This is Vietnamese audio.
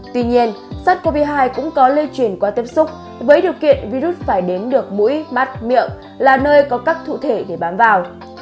tuy nhiên sars cov hai cũng có lây truyền qua tiếp xúc với điều kiện virus phải đến được mũi mắt miệng là nơi có cách cụ thể để bám vào